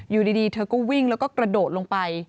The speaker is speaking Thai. อยู่ดีเธอก็วิ่งแล้วก็กระโดดลงไป